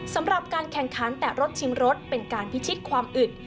สำหรับการแข่งขันแตะรถชิงรถเป็นการพิชิตความอึด